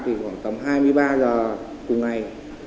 thì khoảng tầm hai mươi ba giờ cùng ngày